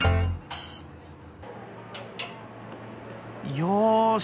よし！